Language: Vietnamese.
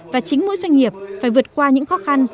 và chính mỗi doanh nghiệp phải vượt qua những khó khăn